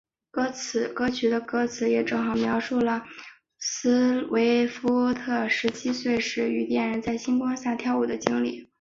歌曲的歌词也正好描述了斯威夫特十七岁时与恋人在星光下跳舞的经历。